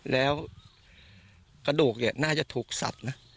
แล้วกระดูกเนี่ยน่าจะถูกสับนะ